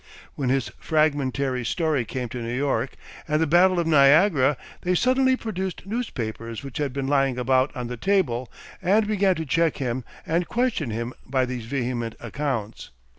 When his fragmentary story came to New York and the battle of Niagara, they suddenly produced newspapers which had been lying about on the table, and began to check him and question him by these vehement accounts.